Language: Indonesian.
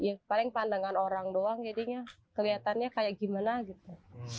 ya paling pandangan orang doang jadinya kelihatannya kayak gimana gitu